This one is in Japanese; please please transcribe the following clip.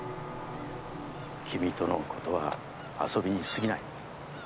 君とのことは遊びにすぎない。